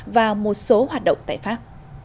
và một số hoạt động tại pháp